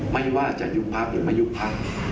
ไม่ว่าจะยุคภักษ์หรือไม่ยุคภักษ์